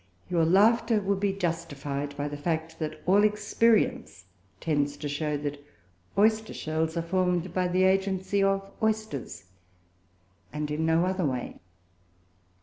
Your laughter would be justified by the fact that all experience tends to show that oyster shells are formed by the agency of oysters, and in no other way.